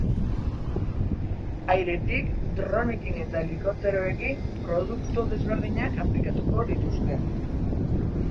Airetik dronekin eta helikopteroekin produktu berdinak aplikatuko dituzte.